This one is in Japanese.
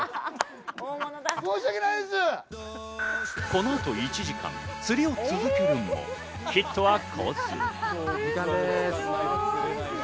この後、１時間釣りを続けるもヒットは来ず。